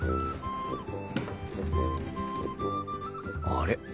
あれ？